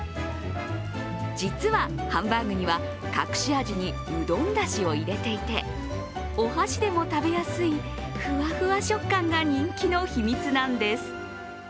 実はハンバーグには隠し味にうどんだしを入れていてお箸でも食べやすいふわふわ食感が人気の秘密なんです。